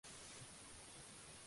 Tienen dos hijos y dos nietos.